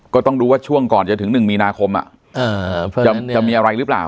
ก็ต้องดูช่วงก่อนจะถึง๑มีนาคมอ่ะ